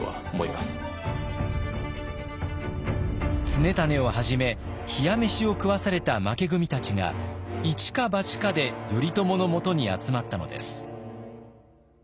常胤をはじめ冷や飯を食わされた負け組たちが一か八かで頼朝のもとに集まったのです。